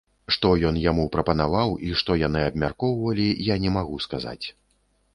Што ён яму прапанаваў і што яны абмяркоўвалі, я не магу сказаць.